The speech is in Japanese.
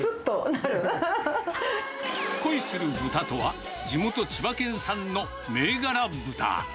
恋する豚とは、地元千葉県産の銘柄豚。